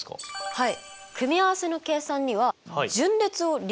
はい。